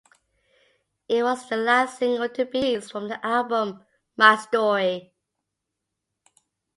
It was the last single to be released from the album "My Story".